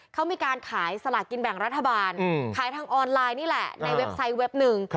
เขามีการขายสลากกินแบ่งรัฐบาลขายทางออนไลน์นี่แหละในเว็บไซต์เว็บหนึ่ง